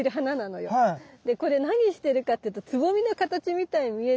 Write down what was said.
でこれ何してるかっていうとつぼみの形みたいに見えるんだけど。